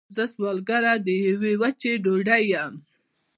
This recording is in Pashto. زه سوالګره د یوې وچې ډوډۍ یم